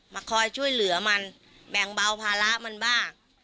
มาคอยช่วยเหลือมันแบ่งเบาภาระมันบ้าง